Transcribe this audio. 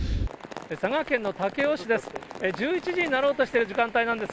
佐賀県の武雄市です。